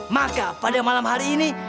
maka pada malam hari ini